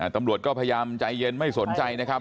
ตำรวจก็พยายามใจเย็นไม่สนใจนะครับ